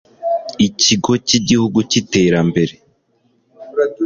ikigo cy'igihugu cy'iterambere